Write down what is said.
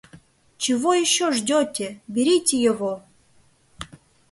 Чего ещё ждёте, берите его!